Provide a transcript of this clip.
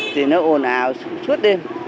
thì nó ồn ào suốt đêm